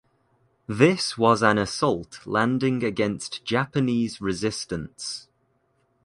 This was an assault landing against Japanese resistance.